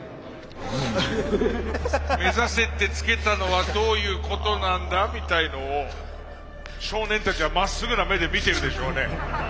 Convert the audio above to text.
「目指せ」ってつけたのはどういうことなんだみたいのを少年たちはまっすぐな目で見てるでしょうね。